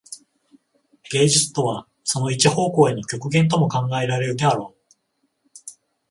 芸術とはその一方向への極限とも考えられるであろう。